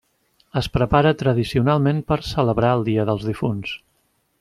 Es prepara tradicionalment per celebrar el Dia dels Difunts.